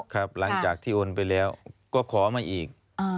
ครับหลังจากที่โอนไปแล้วก็ขอมาอีก